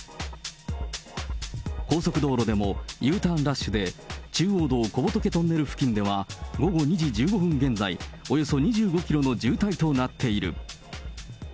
高速道路でも、Ｕターンラッシュで、中央道小仏トンネル付近では、午後２時１５分現在、およそ２５キロの渋滞となっている。